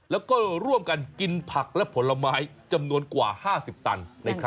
แล้วก็ร่วมกันกินผักและผลไม้จำนวนกว่า๕๐ตัน